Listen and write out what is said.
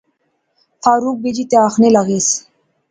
فاروق بیجی تے آخنے لاغیس